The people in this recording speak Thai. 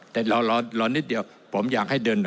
แต่เรารอนิดเดียวผมอยากให้เดิน